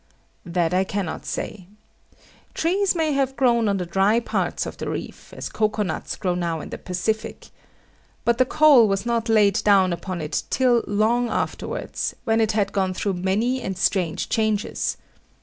That I cannot say. Trees may have grown on the dry parts of the reef, as cocoa nuts grow now in the Pacific. But the coal was not laid down upon it till long afterwards, when it had gone through many and strange changes.